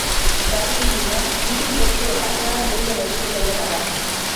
Gari irina irin guztien artean gehien ekoizten dena da.